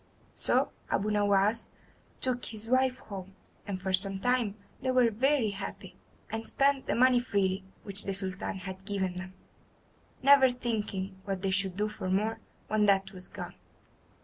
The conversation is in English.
So Abu Nowas took his wife home, and for some time they were very happy, and spent the money freely which the Sultan had given them, never thinking what they should do for more when that was gone.